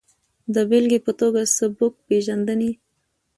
د بېلګې په ټوګه سبک پېژندنې